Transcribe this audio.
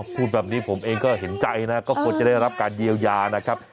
พูดแบบนี้ผมเองก็เห็นใจนะก็ควรจะได้รับการเยียวยานะครับ